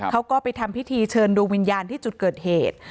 เขาก็ไปทำพิธีเชิญดวงวิญญาณที่จุดเกิดเหตุ